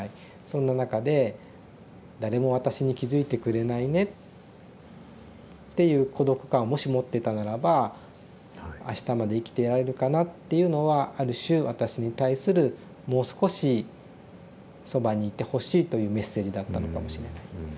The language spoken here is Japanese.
そんな中で「誰も私に気付いてくれないね」っていう孤独感をもし持ってたならば「あしたまで生きていられるかな」っていうのはある種私に対する「もう少しそばにいてほしい」というメッセージだったのかもしれない。